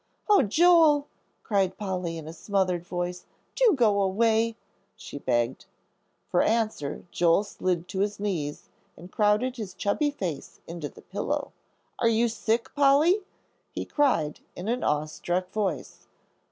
"Oh, Joel," cried Polly, in a smothered voice; "do go away," she begged. For answer Joel slid to his knees and crowded his chubby face into the pillow. "Are you sick, Polly?" he cried, in an awe struck voice.